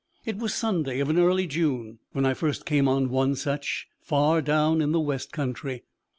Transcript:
It was Sunday of an early June when I first came on one such, far down in the West country.